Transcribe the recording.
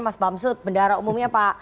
mas bamsud bendara umumnya pak